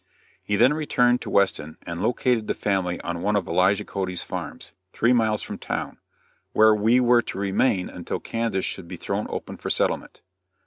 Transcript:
He then returned to Weston and located the family on one of Elijah Cody's farms, three miles from town, where we were to remain until Kansas should be thrown open for settlement.